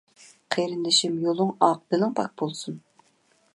قېرىندىشىم، يولۇڭ ئاق، دىلىڭ پاك بولسۇن!